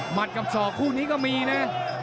หมัดกับ๒คู่นี้ก็มีนะ